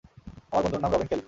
আমার বন্ধুর নাম রবিন ফেল্ড।